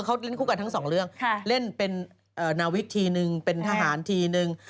เขาเล่นคู่กันทั้งสองเรื่องเล่นเป็นนาวิธีหนึ่งเป็นทหารทีนึง